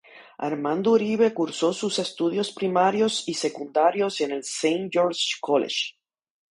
Armando Uribe cursó sus estudios primarios y secundarios en el Saint George's College.